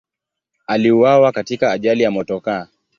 Aliuawa katika ajali ya motokaa.